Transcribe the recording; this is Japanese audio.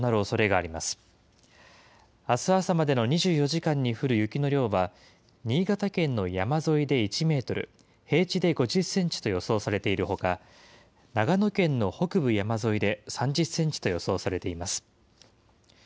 あす朝までの２４時間に降る雪の量は、新潟県の山沿いで１メートル、平地で５０センチと予想されているほか、長野県の北部山沿いで３０センチと予想されています。